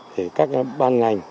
để các ban ngành